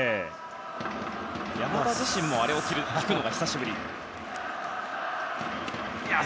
山田自身もあれを聞くのが久しぶり。